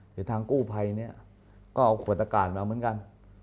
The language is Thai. คือทางกู้ภัยเนี่ยก็เอาขวดอากาศมาเหมือนกัน